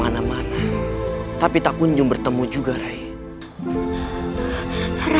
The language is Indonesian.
oh nanti kaki aku bakal masuk together